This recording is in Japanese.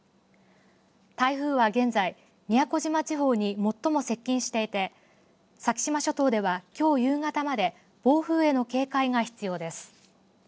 台風は現在宮古島地方に最も接近していて先島諸島では、きょう夕方まで暴風への警戒が必要です。